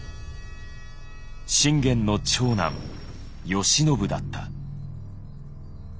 信玄の長男義信だった。